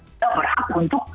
tidak berhak untuk